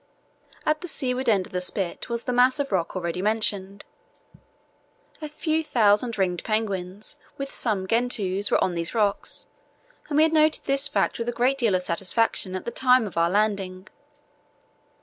At the seaward end of the spit was the mass of rock already mentioned. A few thousand ringed penguins, with some gentoos, were on these rocks, and we had noted this fact with a great deal of satisfaction at the time of our landing.